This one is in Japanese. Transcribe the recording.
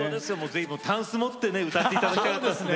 ぜひたんす持って歌って頂きたかったですね。